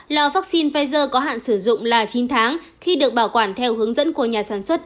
lò vaccine pfizer có hạn sử dụng là chín tháng khi được bảo quản theo hướng dẫn của nhà sản xuất